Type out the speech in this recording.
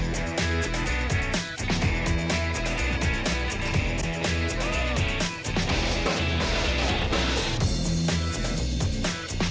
คนเก่งเขาไม่อวดเยอะค่ะ